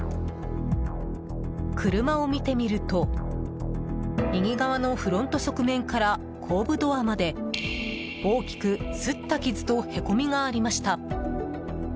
車を見てみると、右側のフロント側面から後部ドアまで大きく擦った傷とへこみがありました。